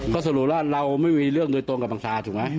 ก็สรุปแล้วเราไม่มีเรื่องโดยตรงกับบังซาถูกไหม